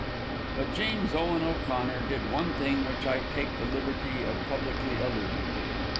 But James Owen O'Connor did one thing which I take the liberty of publicly alluding to.